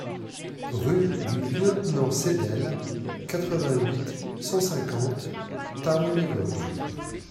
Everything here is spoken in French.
Rue du Lieutenant Seidel, quatre-vingt-huit, cent cinquante Thaon-les-Vosges